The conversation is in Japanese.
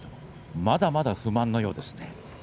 まだまだ不満のようですね。